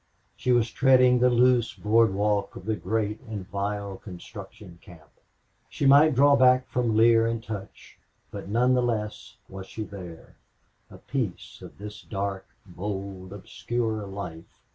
She was treading the loose board walk of the great and vile construction camp. She might draw back from leer and touch, but none the less was she there, a piece of this dark, bold, obscure life.